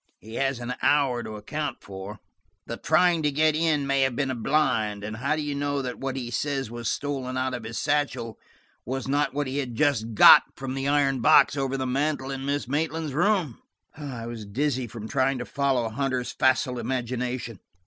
"He has an hour to account for. The trying to get in may have been a blind, and how do you know that what he says was stolen out of his satchel was not what he had just got from the iron box over the mantel in Miss Maitland's room?" I was dizzy with trying to follow Hunter's facile imagination.